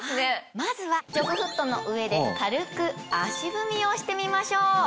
まずはジョグフットの上で軽く足踏みをしてみましょう。